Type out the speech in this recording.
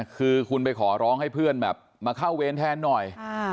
คือคุณไปขอร้องให้เพื่อนแบบมาเข้าเวรแทนหน่อย